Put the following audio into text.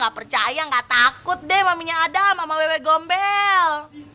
gak percaya gak takut deh mamanya adam sama bebek gombel